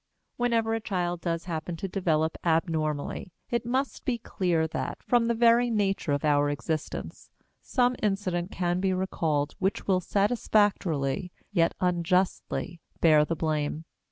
Whenever a child does happen to develop abnormally, it must be clear that, from the very nature of our existence, some incident can be recalled which will satisfactorily, yet unjustly, bear the blame.